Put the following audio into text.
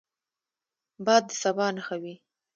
باد د سبا نښه وي